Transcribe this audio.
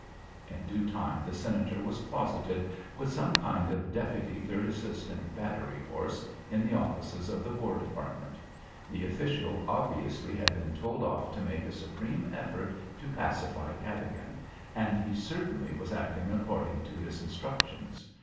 In due time the Senator was closeted with some kind of deputy third assistant battery horse in the offices of the War Department. The official obviously had been told off to make a supreme effort to pacify Cadogan, and he certainly was acting according to his instructions.